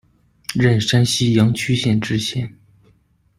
任山西阳曲县知县。